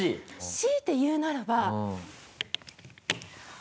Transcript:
強いて言うならば。